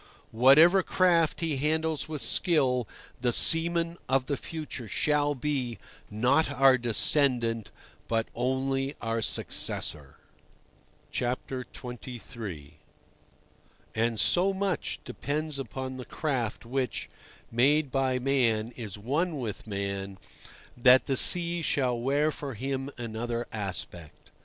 Whatever craft he handles with skill, the seaman of the future shall be, not our descendant, but only our successor. XXIII. And so much depends upon the craft which, made by man, is one with man, that the sea shall wear for him another aspect.